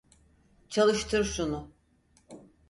Çalıştır şunu!